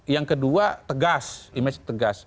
yang kedua tegas image tegas